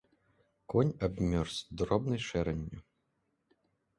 Конь абмёрз дробнай шэранню.